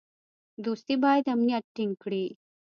دوستي باید امنیت ټینګ کړي.